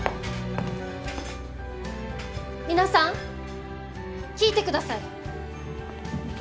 皆さん聞いてください！